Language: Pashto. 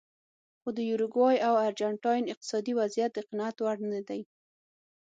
خو د یوروګوای او ارجنټاین اقتصادي وضعیت د قناعت وړ نه دی.